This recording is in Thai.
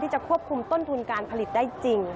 จะควบคุมต้นทุนการผลิตได้จริง